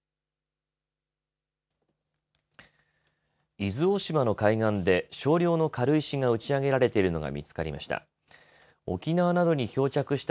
伊豆大島の海岸で少量の軽石が打ち上げられているのが見つかりました。